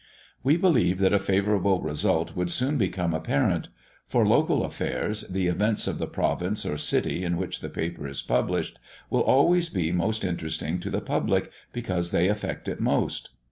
We believe that a favourable result would soon become apparent; for local affairs, the events of the province, or city, in which the paper is published, will always be most interesting to the public, because they affect it most.